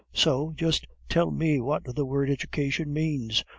So, just tell me what that word education means.